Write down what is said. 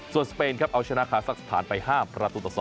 ส่วนสเปนเอาชนะคาสักสะพานไป๕ประตูตะ๒